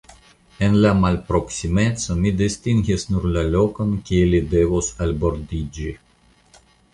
En la malproksimeco mi distingis nur la lokon, kie li devos albordiĝi.